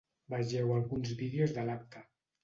Vegeu alguns vídeos de l’acte.